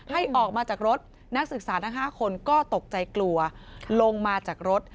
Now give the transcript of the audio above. ให้ออกมาจากรถนักศึกษาทั้ง๕คนก็ตกใจกลัวลงมาจากรถ